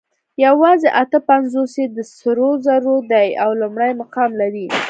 یواځې اته پنځوس یې د سرو زرو دي او لومړی مقام لري